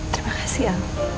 terima kasih ya